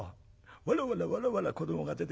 わらわらわらわら子どもが出てきてね